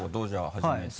初めて。